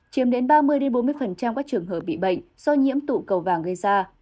chiếm đến ba mươi bốn mươi các trường hợp bị bệnh do nhiễm tụ cầu vàng gây ra